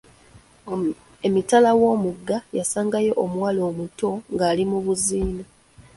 Emitala w'omugga yasangayo omuwala omuto ng'ali mu buziina.